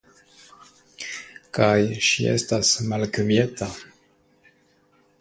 Kaj ŝi estas malkvieta.